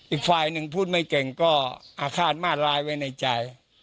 อีกฝ่ายหนึ่งพูดไม่เก่งก็อาฆาตมาดร้ายไว้ในใจ